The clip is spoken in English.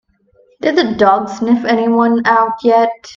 Did the dog sniff anyone out yet?